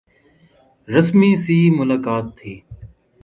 رسمی سی ملاقات تھی۔